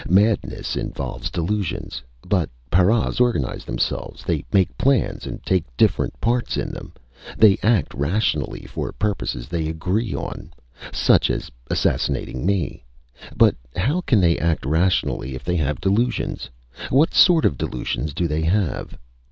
Madness involves delusions. But paras organize themselves. They make plans and take different parts in them. They act rationally for purposes they agree on such as assassinating me. But how can they act rationally if they have delusions? What sort of delusions do they have?"